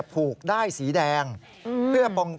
ผูกได้สีแดง